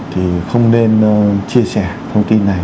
thì không nên chia sẻ thông tin này